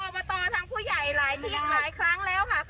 ร้องไปทางออบอเตอร์ทางผู้ใหญ่หลายที่หลายครั้งแล้วค่ะ